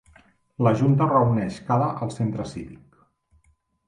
La junta es reuneix cada al Centre Cívic.